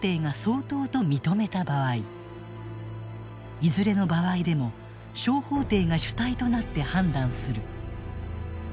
いずれの場合でも小法廷が主体となって判断する。